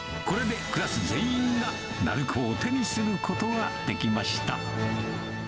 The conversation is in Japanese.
これでクラス全員が鳴子を手にすることができました。